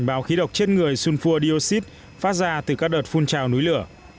báo khí độc chết người sulfur dioxid phát ra từ các đợt phun trào núi lửa